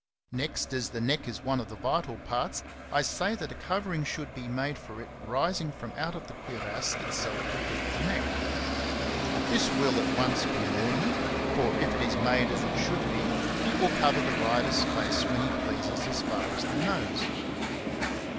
Next, as the neck is one of the vital parts, I say that a covering should be made for it rising out of the cuirass itself to fit the neck.^° This will at once be an ornament ; and if it is made as it should be, it will cover the 5 66 XENOPHON ON HORSEMANSHIP. rider's face when he pleases as far as the nose.